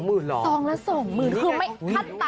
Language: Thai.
๒ละ๒หมื่นเหรอ๒ละ๒หมื่นคือไม่ค่าตับ